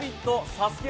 ＳＡＳＵＫＥ